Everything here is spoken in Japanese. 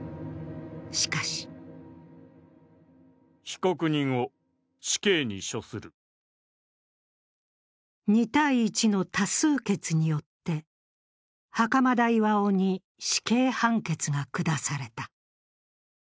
しかし２対１の多数決によって、袴田巌に死刑判決が下された。